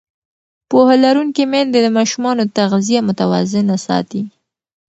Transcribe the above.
پوهه لرونکې میندې د ماشومانو تغذیه متوازنه ساتي.